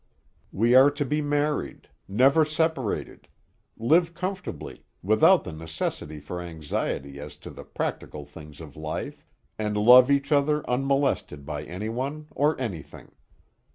We are to be married; never separated; live comfortably, without the necessity for anxiety as to the practical things of life, and love each other unmolested by anyone or anything.